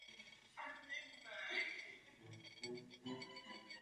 Proč nepodnikneme novou iniciativu pro růst, novou koordinovanou investiční akci?